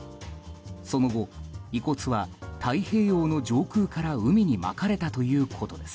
その後、遺骨は太平洋の上空から海にまかれたということです。